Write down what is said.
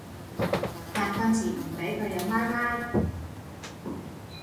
但訓前唔俾佢飲奶奶